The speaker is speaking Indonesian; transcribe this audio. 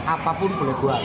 apapun boleh buat